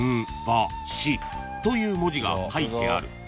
［という文字が書いてある］